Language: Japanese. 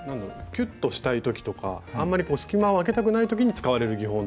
キュッとしたい時とかあんまり隙間をあけたくない時に使われる技法なんですね。